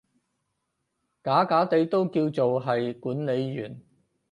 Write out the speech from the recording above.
假假地都叫做係管理員